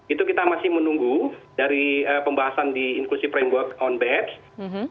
itu kita masih menunggu dari pembahasan di inclusive framework on batch